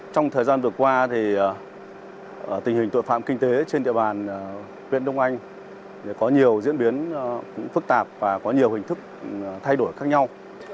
trong thời gian vừa qua tình hình tội phạm kinh tế trên địa bàn huyện đông anh có nhiều diễn biến cũng phức tạp và có nhiều hình thức thay đổi khác nhau